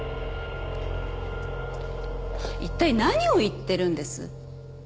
一体何を言ってるんです？